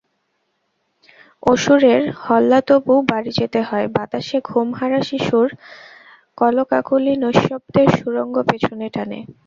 অসুরের হল্লাতবু বাড়ি যেতে হয়, বাতাসে ঘুমহারা শিশুর কলকাকলিনৈঃশব্দ্যের সুড়ঙ্গ পেছনে টানে।